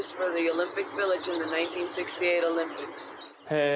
へえ。